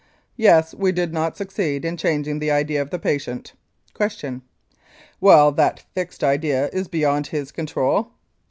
Yes, we did not succeed in changing the idea of the patient. Q. Well, that fixed idea is beyond his control?